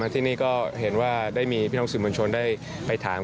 ที่นี่ก็เห็นว่าได้มีพี่น้องสื่อมวลชนได้ไปถาม